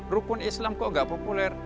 rukun islam kok gak populer